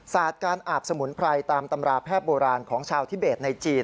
การอาบสมุนไพรตามตำราแพทย์โบราณของชาวทิเบสในจีน